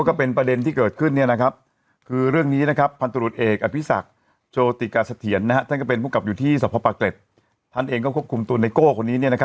เช่นนี้มันเขียนอิทธิ์ใช่ไหมจริงจริงมันชื่อก้ออืมเนี่ยนะฮะก็